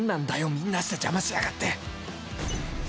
みんなして邪魔しやがって